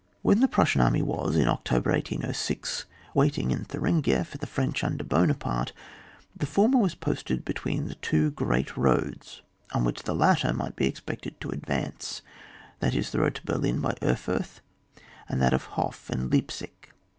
When the Prussian army was, in Octo ber, 1806, waiting in Thuringia for the French under Buonaparte, the former was posted between the two great roads on which the latter might be expected to advance, that is, the road to Berlin by Erfurth, and that by Hof and Leipsic.